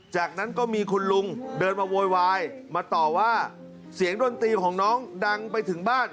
จากนั้นก็มีคุณลุงเดินมาโวยวายมาต่อว่าเสียงดนตรีของน้องดังไปถึงบ้าน